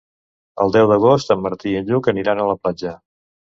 El deu d'agost en Martí i en Lluc aniran a la platja.